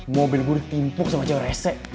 mobil gue ditimpuk sama cewe resek